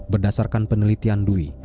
berdasarkan penelitian dwi